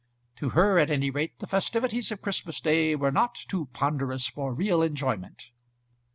To her at any rate the festivities of Christmas day were not too ponderous for real enjoyment.